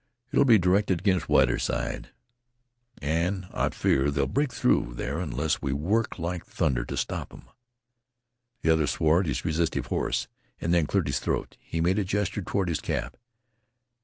"It'll be directed against Whiterside, an' I fear they'll break through there unless we work like thunder t' stop them." The other swore at his restive horse, and then cleared his throat. He made a gesture toward his cap.